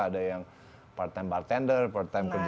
ada yang part time bartender part time kerja di